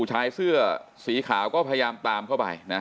ชายเสื้อสีขาวก็พยายามตามเข้าไปนะ